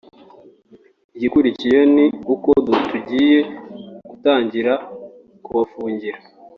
igikurikiyeho ni uko tugiye gutangira kubafungira